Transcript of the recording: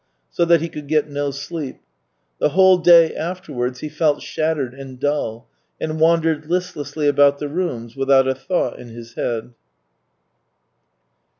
So that he could get no sleep. The whole day afterwards he felt shattered and dull, and wandered listlessly about the rooms without a thought in his head.